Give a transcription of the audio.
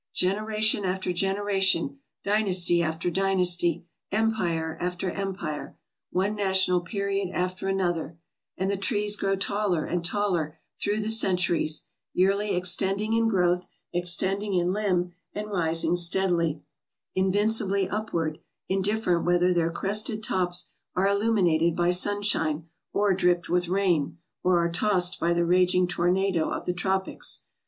generation after generation, dynasty after dynasty, empire after empire, one national period after another — and the trees grow taller and taller through the centuries, yearly extending in growth, extending in limb, and rising steadily, invincibly upward, indifferent whether their crested tops are illuminated by sunshine or dripped with rain, or are tossed by the raging tornado of the tropics.